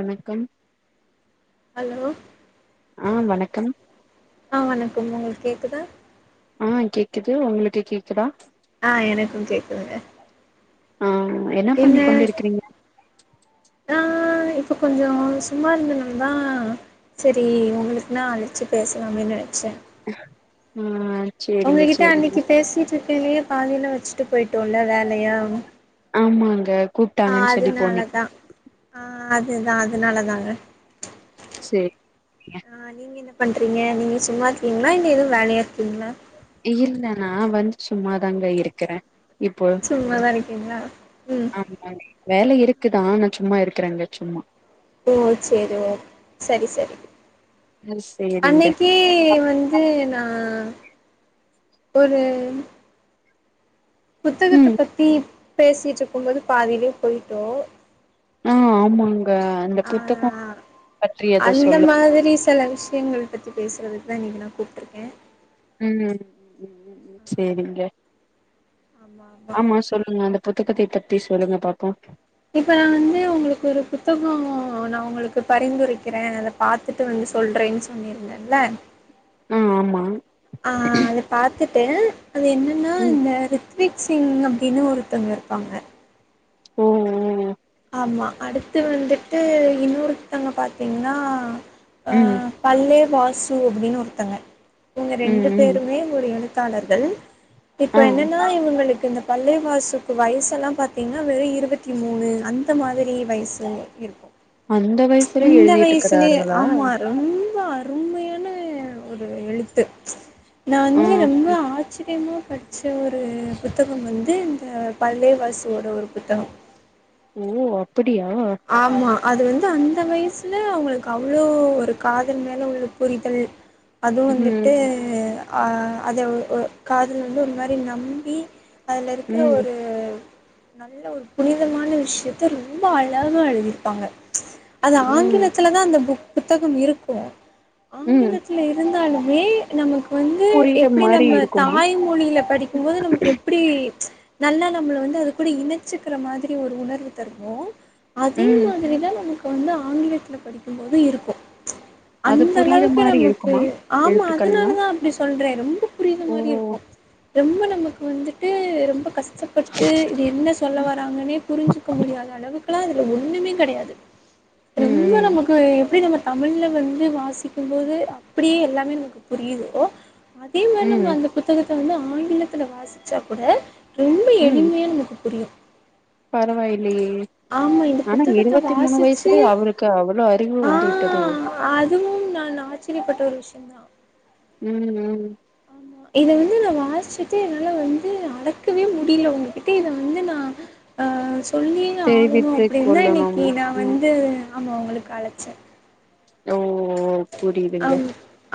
வணக்கம் ஹலோ ஆ வணக்கம் ஆ வணக்கம் உங்களுக்கு கேக்குதா ஆ கேக்குது உங்களுக்கு கேக்குதா ஆ எனக்கு கேக்குதுங்க ஆ என்ன பண்ணிக்க கொண்டிருக்கிறீங்க ஆ இப்ப கொஞ்சோ சும்மா இருந்தணு தா செரி உங்களுக்கு நா அழைச்சு பேசலாமே நெனச்சே ம் உங்ககிட்ட அன்னைக்கி பேசிட்டு இருக்கயிலையே பாதியில வெச்சுட்டு போயிட்டோல்ல வேலய ஆமாங்க கூப்பிட்டாங்கன்னு சொல்லி போனீ அதனாலதா ஆ அதுதா அதனால தாங்க செர் ஆ நீங்க என்ன பண்ணுறீங்க நீங்க சும்மா இருக்கீங்களா இல்ல எதுவு வேலைய இருக்கீங்களா இல்ல நா வந்து சும்மாதாங்க இருக்கற சும்மாதா இருக்கீங்களா ம் வேல இருக்குதா ஆனா சும்மா இருக்கறேங்க சும்மா ஓ செரி ஓ சரி சரி சேரிங்க அன்னைக்கி வந் வந்து நா ஒரு புத்தகத்த ம் பத்தி பேசிட்டு இருக்குபோது பாதியிலே போய்ட்டோ ம் ஆமாங்க அந்த புத்தகோ அந்த மாதிரி சில விஷ்யங்க பத்தி பேசுறதுக்கு தா இன்னைக்கி நா கூப்ட்ருக்கே ம் [inaudible] செரிங்க ஆமா சொல்லுங்க அந்த புத்தகத்தை பத்தி சொல்லுங்க பாப்போ இப்போ நா வந்து உங்களுக்கு ஒரு புத்தகோ நா உங்களுக்கு பரிந்துரைக்கிறே அத பாத்துட்டு வந்து சொல்றேன்னு சொல்லியிருந்தேன்ல ஆ ஆமா ஆ அதை பாத்துட்டு அது என்னன்ன ம் [unintelligible] ரித்விக் சிங் அப்டின்னு ஒருத்தங்க இருப்பாங்க ஒ ஒ ஆமா அடுத்து வந்துட்டு இன்னொருத்ங்க பாத்தீங்கன்னா அ ம் பல்லே வாசு அப்டின்னு ஒருத்தங்க இங்க ரெண்டு ம் ம் பேருமே ஒரு எழுத்தாளர்கள் இப்ப ஆ என்னன்னா இவுங்களுக்கு இந்த பல்லேவாசுக்கு வயசெல்லா பாத்தீங்ன்னா வெறு இருவத்தி மூணு அந்த மாதிரி வயசு இருக்கு அந்த வயசுல இந்த எழுதிட்டு வயசுலே இருக்கிறார்களா ஆமா இரு ரொம்ப அருமையான ஒரு எழுத்து நா ஆ வந்து ரொம்ப ஆ ச்சிரியமா படிச்ச ஒரு புத்தகோ வந்து இந்த பல்லேவாசுவோட ஒரு புத்தகோ ஓ அப்டியா ஆமா அது வந்து அந்த வய்சுல அவுங்களுக்கு அவ்வளோ ஒரு காதல் மேல உள்ள புரிதல் [inaudible] அதுவு ம் வந்துட்டு ஆ அதை உ உ காதல் வந்து ஒரு மாரி நம்பி அதில இருக்கிற ம் ஒரு நல்ல ஒரு புனிதமான விஷ்யத்த ரொம்ப ஆ ழமா எழுதிருப்பாங்க அது ம் ஆங்கிலத்துலதா அந்த புக் புத்தகோ இருக்கு ம் ஆங்கிலத்துல இருந்தாலுமே நமக்கு வந்து புரியிற எப்டி மாரி நம்ம இருக்குமா தாய்மொழியில படிக்குபோது நமக்கு எப் புடி நல்லா நம்மள வந்து அது கூடி இணைச்சிக்கிற மாதிரி ஒரு உணர்வு தருவோ அதே ம் மாதிரிதா நமக்கு வந்து ஆங்கிலத்துல படிக்குபோது இருக்கு அது அந்த புரியிற அளவுக்கு மாரி நமக்கு இருக்குமா ஆமா எழுத்துக்கள்லா அதனாலதா அப்டி சொல்றே ரொம்ப புரித மாரி இருக்கு [inaudible] ரொம்ப நமக்கு வந்துட்டு ரொம்ப கஷ் அசப்பட்டு இது என்ன சொல்ல வராங்கன்னே புரிஞ்சுக்க முடியாத அளவுக் குலா அதுல ஒண்ணுமே கடையாது ம் ரொம்ப ம் நமக்கு எப்டி நம்ம தமிழ்ல வந்து வாசிக்குபோது அப்டியே எல்லாமே நமக்கு புரியுதோ அதே ம் இந்த புத்தகத்த வந்து ஆங்கிலத்தில வாசிச்சா கூட ரொம்ப ம் எளிமையா நமக்கு புரியு பரவாயில்லையே ஆமாம் இந்த ஆனா புத்தகத்தை இருவத்தி மூணு வாசித்து வயசுலே அவருக்கு அவ்ளோ அறிவு வந்து விட்டதோ அதுவு நா ஆச்சிரியப்பட்ட ஒரு விஷ்யோதா ம் ம் இத வந்து நா வாசிச்சுட்டு என்னால வந்து அடக்கவே முடியில உங்ககிட்ட இத வந்து நா ஆ சொல்லியே ஆகணு தெரிவித்து அப்டின்னு தா கொள்ளணும் இன்னைக்கு நா ம் வந்து ஆமா உங்களுக்கு அழச்சே ஓ ஒ அம்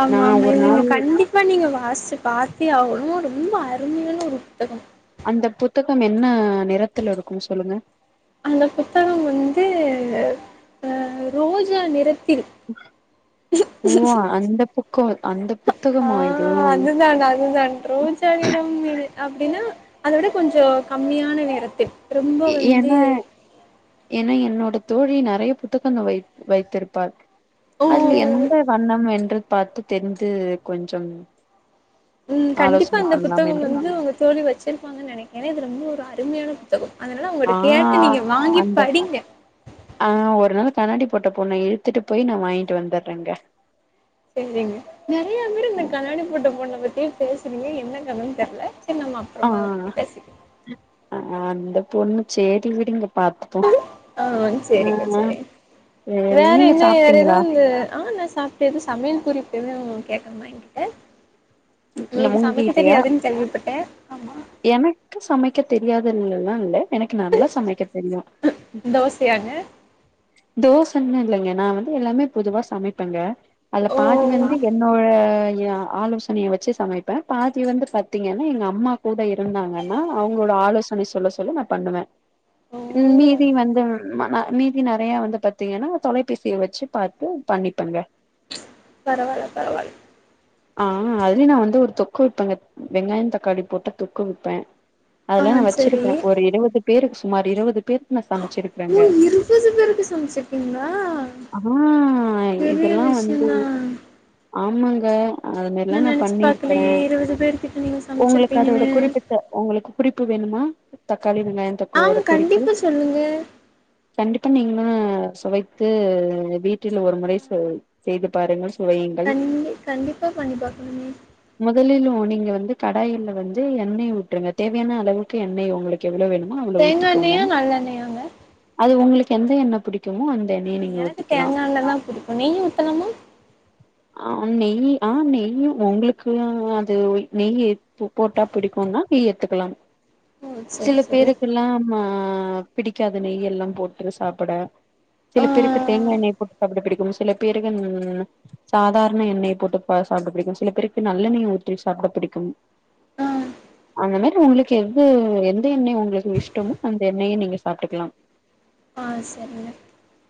ஆமா ஆமா இவுங்க நாள் கண்டிப் பா நீங்க வாச்சி பாத்தே அவனு ரொம்ப அருமையான ஒரு புத்தக அந்த புத்தகம் என்ன நிறத்துல இருக்கு சொல்லுங்க அந்த புத்தகம் வந்து அ ரோஜா நிறத்தில் ஓ அந்தப் பக்கொ அந்தப் ஆ அது தான் அது தான் ரோஜ் ஜா நிறம் இல் அப்டின்னா அத விட கொஞ்சொ கம்மியான நிறத்தில் ரொம்ப எ என வந்து என என்னோட தோழி நறைய புத்தகங்க வை வைத்திருப்பாள் ஓ அதுல எந்த வண்ணம் என்று பாத்து தெரிந்து கொஞ்சம் ம் கண்டிப்பா ஆலோசனை அந்த பண்ணலாம் புத்தகம் என்று வந்து உங்க தோழி வச்சிருப்பாங்கன் நெனைக்கே எனா இது ரொம்ப ஒரு அருமையான புத் த்தக அதனால அவுங்கட்ட ஆ கேட்டு நீங்க வாங்கி அந்த படிங்க ஆ ஒரு நாள் காண்ணாடி போட்ட பொன்ன இழுத்துட்டு போய் நா வாங்ட்டு வந்துற்றேங்க சேரிங்க நெறைய பேரு இந்த கண்ணாடி போட்ட பொண்ண பத்தி பேசுறீங்க என்ன கதன்னு தெர்ல சர்நம்மா ஆ ரொம்ப பேசி அந்த பொண்னு சேர்ரி விடுங்க பாத்துப்பொ ஆ சேரிங்க சேரி சேரி வேற நீங்க என்ன வேற சாப்ட்டீங்களா ஏதுவுந்த ஆ நா சாப் து எத சமையல் குறிப்பு எதூ கேக்குமா என்கிட்ட நீக்கு சமைக்க உங்ககிட்டயா தெரியாதுன் கேள்விப்பட்டே ஆமா எனக்கு சமைக்க தெரியாதல்ல தா இல்ல எனக்கு நல்லா சமைக்க தெரியு தோசையாங்க தோசன்னு இல்லங்க நா வந்து எல்லாமே பொதுவா சமைப்பெங்க அதுல ஓ பாதி வந்து என்னோட எ ஆலோஸ் சனைய வச்சு சமைப்பே பாதிவந்து பத்தீங்கன்னா எங்க அம்மா கூட இருந்தாங்கன்னா அவுங்கோட ஆலோசனை சொல்ல சொல்ல நாப் பண்ணுவே ஓ ம் மீதி வந்து ம நா மீதி நறைய வந்து பாத்தீங்கன்னா தொலைபேசிய வெச்சு பாத்து பண்ணிப்பங்க பரவால்ல பரவால்ல ஆ அதுலே நா வந்து ஒரு தொக்கு வெப்பங்க வெங்காயந் தக்காளி போட்ட தொக்கு விப்பெ அதுலா ஆ நா சரி வச்சிருக்க ஒரு இருவது பேருக்கு சுமார் இருபது பேத்க நா சமைச்சிருக்கறேங்க புசுசு பேருக்கு சமைச்சுக்கீங்களா ஆ பெரிய விஷய்ந்தா ஆம்மாங்க அது மேர்ல்லா நா நெனச்சு பண்ணிர்க்கறே பாக்கலையே இருவது பேர்கிட்ட நீங்க உங்களுக்கு அதோட சமச்சிருப்பீங்கன்னு குறிப்பு த உங்களுக்கு குறிப்பு வேணுமா தக்காளி வெங்காய ஆ தொக்குவோட குறிப்பு கண்டிப்பா சொல்லுங்க கண்டிப்பா நீங்களு சுவைத்து வீட்டில ஒரு முறை ச செய்து பாருங்கள் சுவையுங்கள் கண்டி கண்டிப்பா பண்ணிப்பாங்க மொதலில் ஒ நீங்க வந்து கடாயில்லவந்து எண்ணெய் ஊற்றுங்க தேவையான அளவுக்கு எண்ணெய் உங்களுக் கேவ்ளோ வேணுமோ அவ்ளோ தேங்கா ஊத்திக்கோங்க எண்ணெயா நல்லெண்ணெயாங்க அது உங்குளுக்கு எந்த எண்ணொ புடிக்குமோ அந் ஆ எனக்கு தேங்கா எண்ணெ தா புடிக்கு நெய் ஊத்தலாமா ஆ நெய்யு ஆ நெய்யு உங்ளுக்கு அது நெய் போட்டா பிடிக்குன்னா நெய் எத்துக்கலா ஓ சரி சில சரி பேருக்கெல்லா ம பிடிக்காது நெய்எல்லா போட்டு சாப்புட ஆ சில பேருக்கு தேங்கா எண்ணய போட்டுப் சாப்ட பிடிக்கும் சில பேருக்கு ம் சாதார்ண எண்ணெய போட்டுப் பா சாப்ட பிடிக்கு சில பேருக்கு நல்லண்ணய ஊத்தி சாப்பிட பிடிக்கும் ஆ அந்த மேரி உங்ளுக்கு எது எந்த எந்த எண்ணெ உங்களுக்கு இஷ்டமோ அந்த எண்ணெய நெய்யோ சாப்ட்டுக்கலா ஆ சரிங்க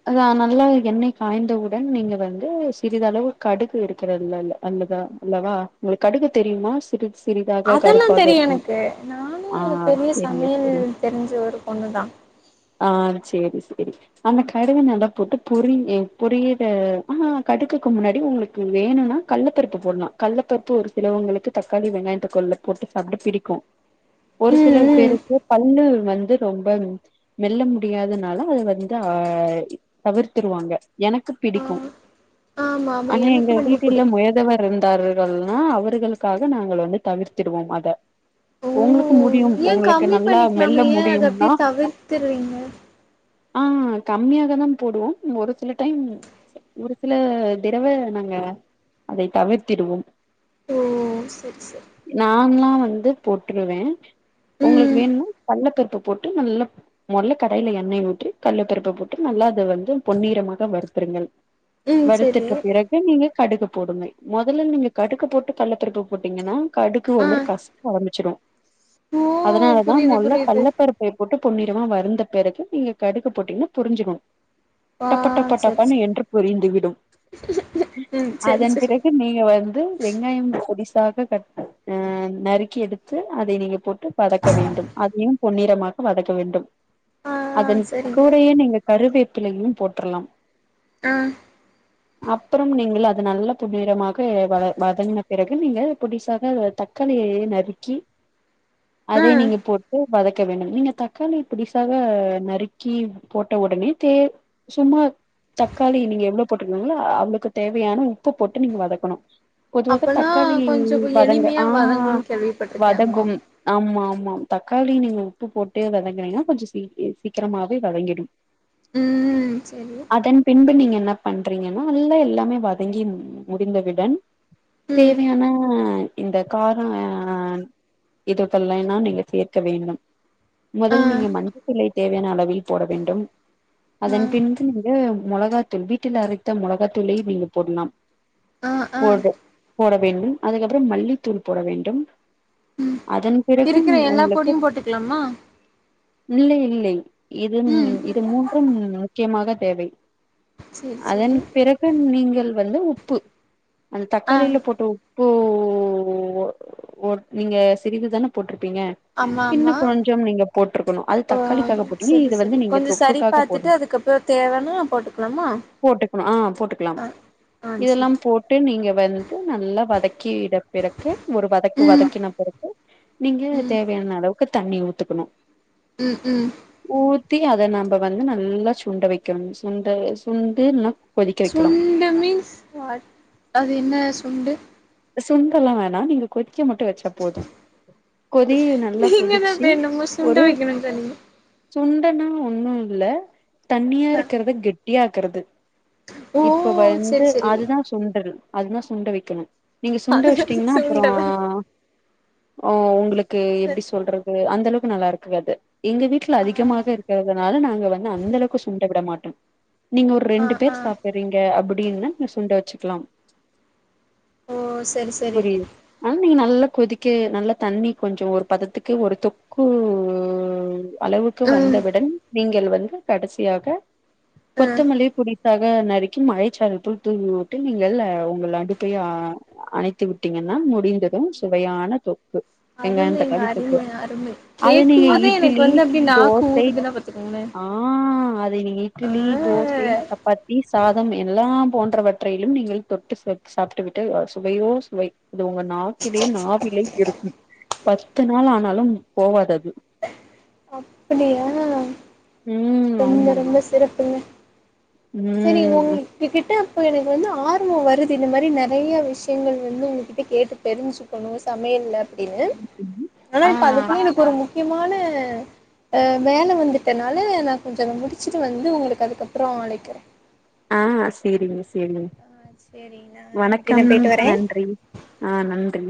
அதா நல்லா எண்ணெய் காய்ந்தவுடன் நீங்க வந்து சிறிதளவு கடுகு எடுக்கிறதுல இல்ல அல்லதா இல்லவா உங்களுக்கு கடுகு தெரியுமா சிறு சிறிதாக அதெல்லா கருப்பாக தெரியு இருக்கும் எனக்கு நானு ஆ ஒரு பெரிய செரிங்க சமையல் செரி தெரிஞ்ச ஒரு பொண்ணுதா ஆ சேரி சேரி அந்த கடுவ நல்லா போட்டு பொரி பொரியுற ஆ கடுக்குக்கு முன்னாடி உங்களுக்கு வேணுனா கல்லப்பருப்பு போட்லா கல்லப்பருப்பு ஒரு சிலவங்களுக்கு தக்காளி வெங்காய தொக்குல போட்டு சாப்ட பிடிக்கு ஒரு சில ம் ம் பேருக்கு பல்லு வந்து ரொம்ப மெல்ல முடியாதனால அது வந்து அ தவிர்த்துருவாங்க எனக்கு ஆ பிடிக்கு ஆமா ஆமா ஆனா எங்க எனக்கு ரொம்ப வீட் புடிக்கு முயதவர் இருந்தார்கள்னா அவர்களுக்காக நாங்கள் வந்து தவிர்த்திடுவோம் அத ஓ உங்களுக்கு முடியு ஏ உங்களுக்கு கம்மி நல்லா பண்ணிக்கலாமே மெல்ல ஏ அத முடியும்னா அப்டியே தவிர்த்துறீங்க ஆ கம்மியாதானங் போடுவோ ஒரு சில டைம் ஒரு சில திரவ நாங்க அதை தவிர்த்திடுவோம் ஓசெரி சேரி நான்லா வந்து போட்டுருவே உங்களுக்கு ம் வேணுனா கல்லப்பருப்பு போட்டு நல்லா மொதல்ல கடாய்ல எண்ணெய் ஊற்றி கல்ல பருப்ப போட்டு நல்லா அத வந்து பொன்னிறமாக வறுத்துருங்க ம் சரி வறுத்திட்ட பிறகு நீங்க கடுகு போடுங்க மொதல்ல நீங்க கடுக போட்டு கல்லப்பருப்பு போட்டீங்கன்னா கடுகு ஒரு ஆ மாரி கசக் க ஆரம்பிச்சிடு ஓ அதனாலதா புரியுது மொதல்ல புரியுது கல்லப்பருப்பு போட்டு பொன்னிறமா வறுந்த பிறகு நீங்க கடுக போட்டீங்கன்னா பொரிஞ்சிரு ஆ டப்ப சரி டப்பட்டப்பானு சரி என்று பொரிந்துவிடும் ம் சரி அதன் சரி பிறகு நீங்க வந்து வெங்காயம் கொடிசாக கட் அ நறுக்கி எடுத்து அதை நீங்க போட்டு வதக்க வேண்டும் அதையு பொன்னிறமாக வதக்க வேண்டும் ஆ அதன் சரிங்க கூடயே நீங்க கருவேப்பிலையும் போட்றலாம் ஆ அப்பறம் நீங்கள் அ அது நல்ல பொன்னிறமாக வத வதங்கின பிறகு நீங்க பொடிசாக தக்காளியயு நறுக்கி ஆ அதை நீங்க போட்டு வதக்க வேண்டும் நீங்க தக்காளிய பொடிசாக நறுக்கி போட்ட உடனே தே சும்மா தக்காளி நீங்க எவ்ளோ போட்டுருக்கீங்களோ அவ்ளோக்கு தேவையான உப்பு போட்டு நீங்க வதக்கணு பொதுவாக அப்பனா தக்காளி கொஞ்சோ வதங்க எளிமையா ஆ வதங்குன்னு கேள்விப்பட்டிருக்கே ஆமா வதங்கும் ஆமா ஆமா ஆமா தக்காளி நீங்க உப்பு போட்டு வதங்குனீங்கன்னா கொஞ்சோ சீ சீக்கிரமாவே வதங்கிடு ம் சரி அதன் பின்பு நீங்க என்ன பண்றீங்கன்னா நல்ல எல்லாமே வ தங்கி முடிந்தவுடன் ம் தேவையான இந்த காரம் இதுகள்லைலா நீங்க சேக்க வேண்டும் ஆ மொதல் நீங்க மஞ்சத்தூளை தேவையான அளவில் போட வேண்டும் ஆ அதன் பின்பு நீங்க மொளகா தூள் வீட்டில் அரைத்த மொளகா தூளையு நீங்க போட்னு ஆ ஆ போடு போட வேண்டும் அதுக்கப்பறம் மல்லித்தூள் போட வேண்டும் ம் அதன் பிறகு இருக்கிற எல்லா உங்களுக்கு பொடியு போட்டுக்கலாமா இல்லை இல்லை இது ம் இது மூன்றும் முக்கியமாக தேவை சேரி சேரி அதன் பிறகு நீங்கள் வந்து உப்பு அந் ஆ தக்காளில போட்ட உப் பு நீங்க சிறிது தான போட்ருப்பிங்க ஆமா இன்னு ஆமா கொஞ்சம் நீங்க போட்டருக்கணு அது ஓ தக்காளிக்காக போட்டிங்கன சரி இது வந்து நீங்க தொக்குக்காக போடணு தேவனா போட்டுக்லாமா போட்டுக்ணு ஆ போட்டுக்லா இதெல்லா சரி போட்டு நீங்க வந்து நல்லா வதக்கி விடனு பிறக்கு ஒரு வதக்கு ம் வதக்கின பிறகு நீங்க ம் தேவயான அளவுக்கு தண்ணி ஊத்துக்குணு ம் ம் ஊத்தி அத நம்ப வந்து நல்லா சுண்ட வெக்கணு சுண்ட சுண்டு ந சுண்டு மீன்ஸ் வாட் அது என்ன சுண்டு சுண்டு எல்லா வேணா நீங்க கொதிக்க மட்டு வெச்சா போதும் கொதியு நல்லா நீங்க தா கொதிச்சு இப்ப என்னமோ சுண்ட ஒரு வைக்கணுன்னு சொன்னீங்க சுண்டனா ஒன்னு இல்ல தண்ணியா ஆ இருக்குறத கெட்டியாக்குறது ஓ இப்ப வந்து சரி சரி அதுதா சுண்டல் அதுதா சுண்ட வெக்கணு நீங்க சுண்ட அதுதா வெஷ்ட்டிங்ன்னா அப்றோ சுண்டலா ஓ உங்குளுக்கு எப்டி சரி சொல்றது அந்த அளவுக்கு நல்லா இருக்கு அது எங்க வீட்ல ஆ அதிகமாக இருக்குறதுனால நாங்க வந்து அந்த அளவுக்கு சுண்ட விட மாட்டோ நீங்க ஒர் ஆ ரெண்டு பேர் ஆ சாப்பிர்றீங்க அப்டின்னா நீங்க சுண்ட வெச்சுக்லாம் ஓ செரி செ புரிது ஆனா நீங்க நல்லா கொதிக்க நல்லா தண்ணி கொஞ்சோ ஒரு பதத்துக்கு ஒரு தொக் கூ அளவுக்கு ம் வந்தவுடன் நீங்கள் வந்து கடசியாக ம் கொத்தமல்லி பொடிசாக நறுக்கி மழைச்சாரல்ப் போல் தூவி உட்டு நீங்கள் உங்கள் அடுப்பை ஆ அணைத்து விட்டிங்கன்னா முடிந்ததும் சுவயான தொ அருமைங்க அருமை அருமை அது கேக்கும் நீங்க போதே எனக்கு இட்லி வந்து அப்டி நாக்கு தோசை ஊறுதுன்னா பாத்துக்கோங்களே ஆ அதை நீங்க ஆ இட்டுலி தோசை சப்பாத்தி சாதம் எல்லா போன்றவற்றையிலு நீங்கள் தொட்டு சாப்ட்டு விட்டு சுவையோ சுவை இது உங்க நாக்கிலே நாவிலே இருக்கும் பத்து நாள் ஆனாலும் போவாது அது அப்புடியா ம் ரொம்ப ஆமாங்க ரொம்ப சிறப்புங்க செரி உங் ம் உங்கக்கிட்ட அப்போ எனக்கு வந்து ஆர்வோ வருது இந்த மாரி நெறயா விஷ்யங்கள் வந்து உங்ககிட்ட கேட்டு தெரிஞ்சு கொணோ சமையல்ல அப்டின்னு ஆனா ஆ இப்ப அதுக்குல ஒரு முக்கியமான வேல வந்துட்டனால நா கொஞ்சோ அத முடிச்சிட்டு வந்து உங்குளுக்கு அதுக்கப்புறோ அலைக்குறே ஆ சேரிங்க சேரிங்க ஆ சரிங்கண்ணா நன்றி நா வணக்கம் போயிட்டு வரே நன்றி ஆ நன்றி